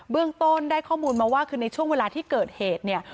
เรื่องต้นได้ข้อมูลมาว่าคือในช่วงเวลาที่เกิดเหตุเนี่ย